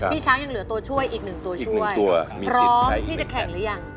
พี่ช้างอีก๑ตัวช่วยพร้อมที่จะแข่งหรือยัง